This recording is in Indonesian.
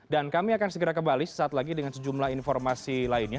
dan kami akan segera kembali saat lagi dengan sejumlah informasi lainnya